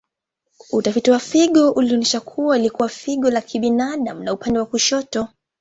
Utafiti wa figo ulionyesha kuwa ilikuwa figo la kibinadamu la upande wa kushoto.